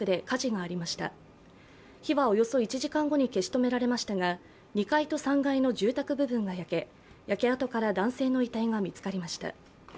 火はおよそ１時間後に消し止められましたが２階と３階の住宅部分が焼け焼け跡から男性の遺体が見つかりました。